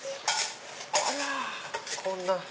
あらこんな。